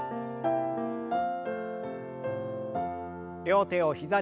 両手を膝に。